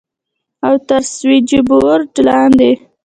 او تر سوېچبورډ لاندې.